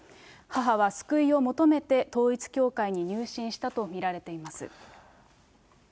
母は救いを求めて、統一教会に入信したと見られています。